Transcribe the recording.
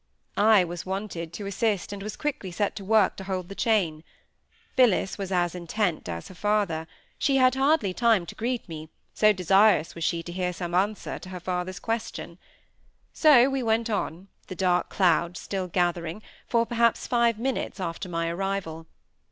I was wanted to assist, and was quickly set to work to hold the chain. Phillis was as intent as her father; she had hardly time to greet me, so desirous was she to hear some answer to her father's question. So we went on, the dark clouds still gathering, for perhaps five minutes after my arrival.